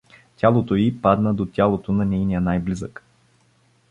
Тялото й падна до тялото на нейния най-близък.